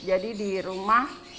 jadi di rumah